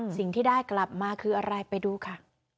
สิ่งที่ได้กลับมาคืออะไรไปดูค่ะ